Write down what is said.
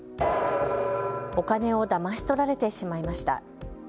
お金をだまし取られてしまいました。